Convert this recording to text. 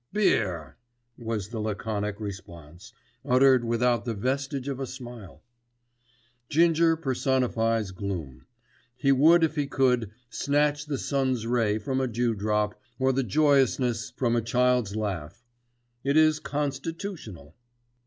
"Beer," was the laconic response, uttered without the vestige of a smile. Ginger personifies gloom. He would if he could snatch the sun's ray from a dewdrop, or the joyousness from a child's laugh. It is constitutional.